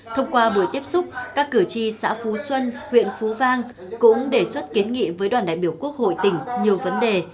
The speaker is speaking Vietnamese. thông qua buổi tiếp xúc các cử tri xã phú xuân huyện phú vang cũng đề xuất kiến nghị với đoàn đại biểu quốc hội tỉnh nhiều vấn đề